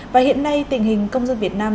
và hiện nay tình hình công dân việt nam